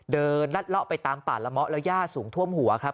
เดินรัดเลาะไปตามป่าละมะแล้วย่าสูงท่วมหัวครับ